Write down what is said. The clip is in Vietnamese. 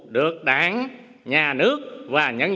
được đảng nhà nước và nhân dân